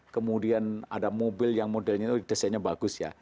kemudian ada mobil yang modelnya itu desainnya bagus ya